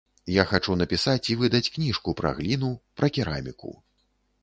Я хачу напісаць і выдаць кніжку пра гліну, пра кераміку.